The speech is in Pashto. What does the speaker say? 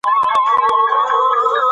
زه د ګشنیزو او پیازو ډکې سموسې خوښوم.